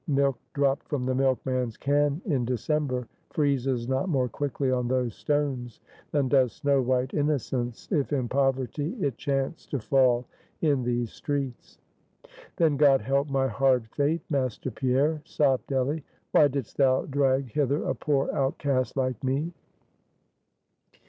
Milk dropt from the milkman's can in December, freezes not more quickly on those stones, than does snow white innocence, if in poverty, it chance to fall in these streets." "Then God help my hard fate, Master Pierre," sobbed Delly. "Why didst thou drag hither a poor outcast like me?"